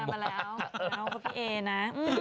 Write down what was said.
ปั้นมาแล้วพี่เอนะ